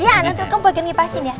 iya nanti aku bagi ngipasin ya